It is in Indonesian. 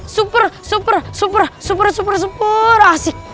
super super super super super super asik